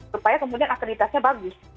supaya kemudian akreditasnya bagus